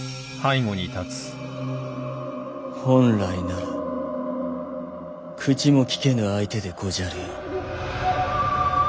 本来なら口も利けぬ相手でごじゃるよ。